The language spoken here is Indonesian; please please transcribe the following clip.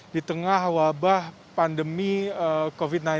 di tengah wabah pandemi covid sembilan belas